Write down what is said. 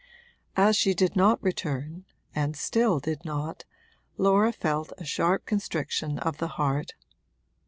As she did not return, and still did not, Laura felt a sharp constriction of the heart.